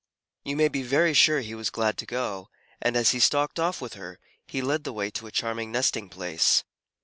You may be very sure he was glad to go, and as he stalked off with her, he led the way to a charming nesting place.